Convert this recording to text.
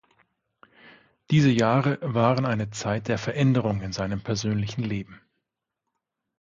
Diese Jahre waren eine Zeit der Veränderung in seinem persönlichen Leben.